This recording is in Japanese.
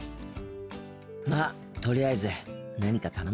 まとりあえず何か頼むか。